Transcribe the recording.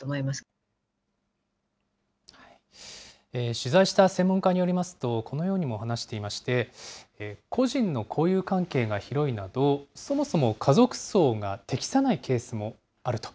取材した専門家によりますと、このようにも話していまして、故人の交友関係が広いなど、そもそも家族葬が適さないケースもあると。